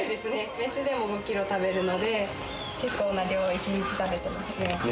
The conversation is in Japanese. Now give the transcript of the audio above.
メスでも５キロ食べるので、結構な量いきます、食べてますね。